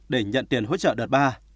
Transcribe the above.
để nhận tiền hỗ trợ đợt ba